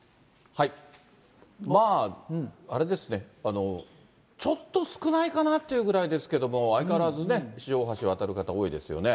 まあ、あれですね、ちょっと少ないかなっていうぐらいですけど、相変わらずね、四条大橋、渡る方、多いですよね。